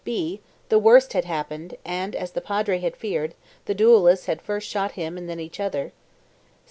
(b) The worst had happened, and, as the Padre had feared, the duellists had first shot him and then each other.